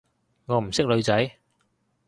我唔識女仔